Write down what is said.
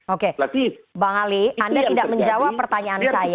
oke bang ali anda tidak menjawab pertanyaan saya